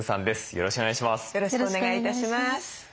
よろしくお願いします。